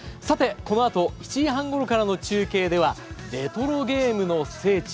このあと７時３０分頃からの中継ではレトロゲームの聖地